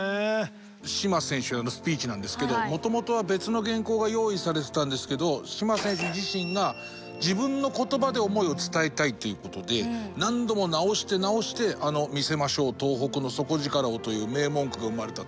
嶋選手のあのスピーチなんですけどもともとは別の原稿が用意されてたんですけど嶋選手自身が自分の言葉で思いを伝えたいっていうことで何度も直して直してあの「見せましょう東北の底力を」という名文句が生まれたと。